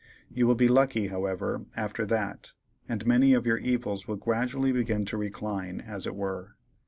You will be lucky, however, after that, and many of your evils will gradually begin to recline, as it were.